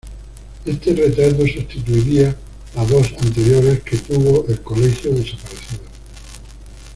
Este retrato sustituiría a dos anteriores que tuvo el colegio, desaparecidos.